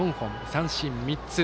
三振３つ。